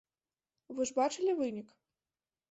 Вы ж бачылі вынік!